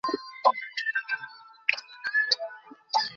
এই একটুকরো ক্ষেতে আবাদ করেছে যে?